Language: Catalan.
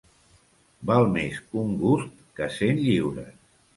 Val més un gust que cent lliures.